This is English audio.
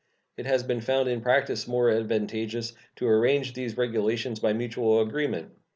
It has been found in practice more advantageous to arrange these regulations by mutual agreement.